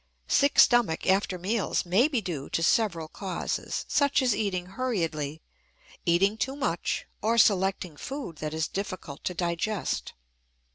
Sick stomach after meals may be due to several causes, such as eating hurriedly, eating too much, or selecting food that is difficult to digest.